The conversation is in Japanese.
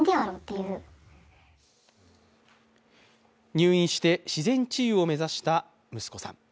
入院して、自然治癒を目指した息子さん。